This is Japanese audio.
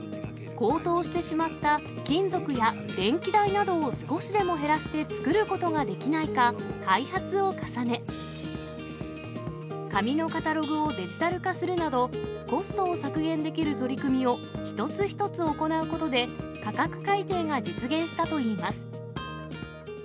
高騰してしまった金属や電気代などを少しでも減らして作ることができないか、開発を重ね、紙のカタログをデジタル化するなど、コストを削減できる取り組みを一つ一つ行うことで、価格改定が実現したといいます。